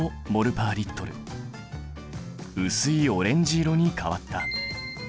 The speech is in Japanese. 薄いオレンジ色に変わった。